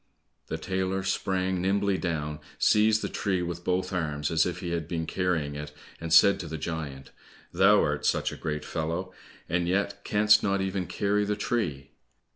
The tailor sprang nimbly down, seized the tree with both arms as if he had been carrying it, and said to the giant, "Thou art such a great fellow, and yet canst not even carry the tree!"